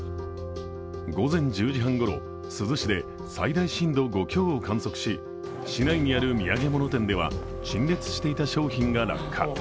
午前１０時半ごろ、珠洲市で最大震度５強を観測し市街にある土産物店では陳列していた商品が落下。